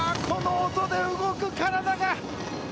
この音で動く、体が。